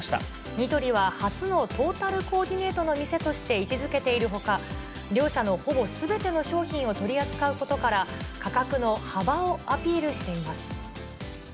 ニトリは初のトータルコーディネートの店として位置づけているほか、両社のほぼすべての商品を取り扱うことから、価格の幅をアピールしています。